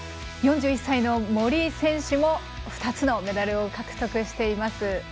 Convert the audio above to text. ４１歳の森井選手も２つのメダルを獲得しています。